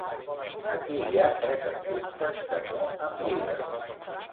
Aquí hi ha tres aspectes que no em lliguen.